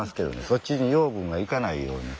そっちに養分が行かないように。